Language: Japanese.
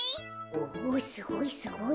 おすごいすごい。